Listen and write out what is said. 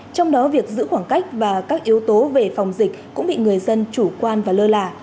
trong đó việc giữ khoảng cách và các yếu tố về phòng dịch cũng bị người dân chủ quan và lơ là